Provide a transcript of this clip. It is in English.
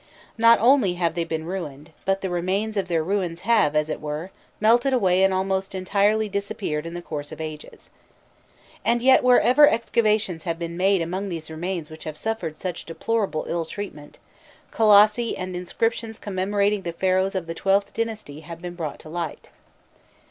Not only have they been ruined, but the remains of their ruins have, as it were, melted away and almost entirely disappeared in the course of ages. And yet, wherever excavations have been made among these remains which have suffered such deplorable ill treatment, colossi and inscriptions commemorating the Pharaohs of the XIIth dynasty have been brought to light.